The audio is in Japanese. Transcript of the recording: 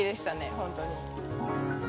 本当に。